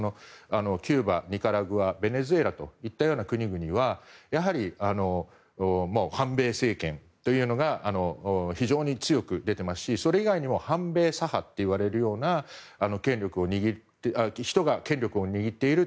キューバ、ニカラグアベネズエラといったような国々はやはり反米政権というのが非常に強く出ていますしそれ以外にも反米左派と呼ばれるような人が権力を握っている。